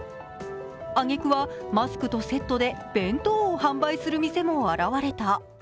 あげくはマスクとセットで弁当を販売する店も表れた。